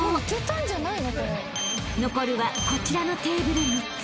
［残るはこちらのテーブル３つ］